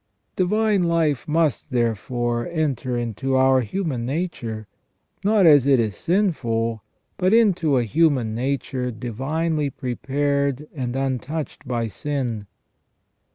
Divine life must, therefore, enter into our human nature, not as it is sinful, but into a human nature divinely prepared and untouched by sin.